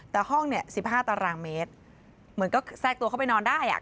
แต่ห้องเนี่ย๑๕ตารางเมตรเหมือนก็แทรกตัวเข้าไปนอนได้อ่ะ